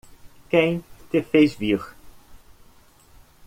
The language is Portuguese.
Quem te fez vir?